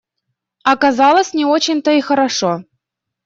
Оказалось — не очень то и хорошо.